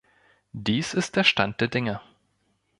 Dies ist der Stand der Dinge.